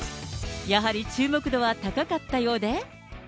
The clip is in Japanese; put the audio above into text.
やはり注目度は高かったようで。